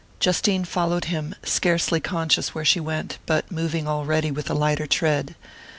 Justine followed him, scarcely conscious where she went, but moving already with a lighter tread.